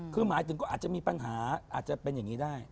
คือหมายถึงก็อาจจะมีปัญหาอาจจะเป็นอย่างนี้ได้